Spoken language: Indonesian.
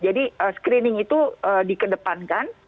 jadi screening itu dikedepankan